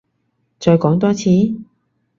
再講多次？